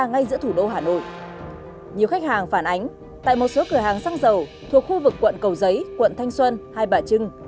ngay giữa thủ đô hà nội nhiều khách hàng phản ánh tại một số cửa hàng xăng dầu thuộc khu vực quận cầu giấy quận thanh xuân hai bà trưng